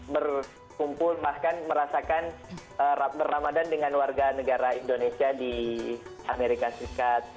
berkumpul bahkan merasakan ber ramadan dengan warga negara indonesia di amerika serikat